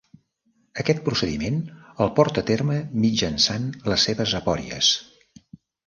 Aquest procediment el porta a terme mitjançant les seves apories.